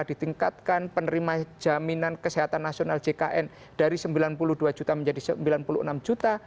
ditingkatkan penerima jaminan kesehatan nasional jkn dari sembilan puluh dua juta menjadi sembilan puluh enam juta